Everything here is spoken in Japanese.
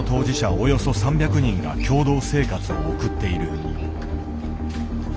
およそ３００人が共同生活を送っている。